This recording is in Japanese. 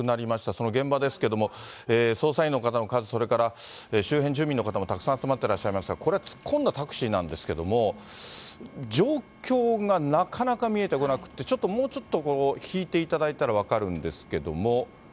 その現場ですけども、捜査員の方の数、それから、周辺住民の方もたくさん集まってらっしゃいますが、これ、突っ込んだタクシーなんですけども、状況がなかなか見えてこなくって、ちょっと、もうちょっと引いていただいたら分かるんですけども。